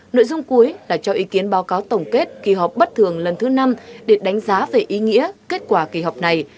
nội dung cuối là cho ý kiến báo cáo tổng kết kỳ họp bất thường lần thứ năm để đánh giá về ý nghĩa kết quả kỳ họp này